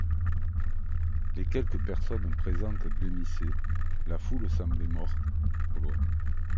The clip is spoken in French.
Les quelques personnes présentes blêmissaient, la foule semblait morte, au loin.